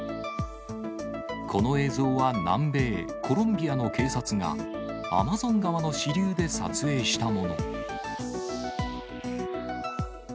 この映像は南米コロンビアの警察が、アマゾン川の支流で撮影したもの。